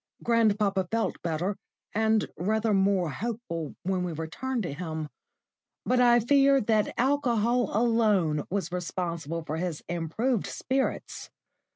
Grandpapa felt better, and rather more hopeful when we returned to him; but I fear that alcohol alone was responsible for his improved spirits.